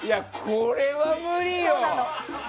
これは無理よ。